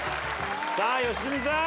さあ良純さん！